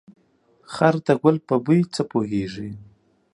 خر ده ګل په بوی څه پوهيږي.